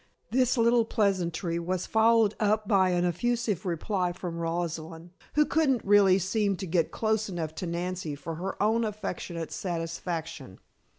This little pleasantry was followed up by an effusive reply from Rosalind, who couldn't really seem to get close enough to Nancy for her own affectionate satisfaction.